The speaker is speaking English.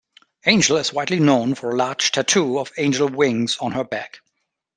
Angel is widely known for a large tattoo of angel wings on her back.